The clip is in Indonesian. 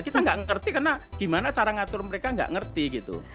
kita nggak ngerti karena gimana cara ngatur mereka nggak ngerti gitu